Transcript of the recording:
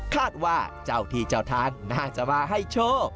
คาดว่าเจ้าที่เจ้าทางน่าจะมาให้โชค